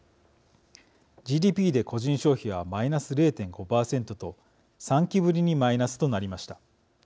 ＧＤＰで個人消費はマイナス０．５％と３期ぶりにマイナスとなりました。